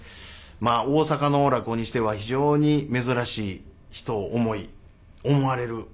まあ大阪の落語にしては非常に珍しい人を思い思われる。